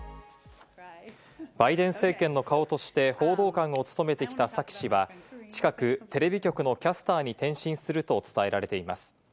バイデン政権の顔として報道官を務めてきたサキ氏は、近くテレビ局のキャスターに転身すると伝えられています。